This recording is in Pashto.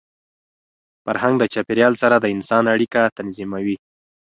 فرهنګ د چاپېریال سره د انسان اړیکه تنظیموي.